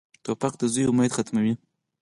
توپک د زوی امید ختموي.